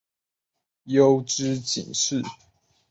筱之井市是位于长野县旧更级郡域北东部地区的市。